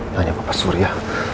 lanyap apa suria